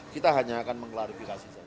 kita hanya akan mengklarifikasi saja